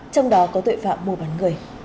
trong đó có tội phạm mua bán người